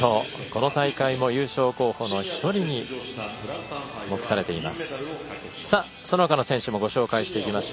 この大会も優勝候補の１人に目されています。